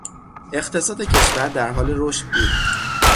اقتصاد کشور در حال رشد بود.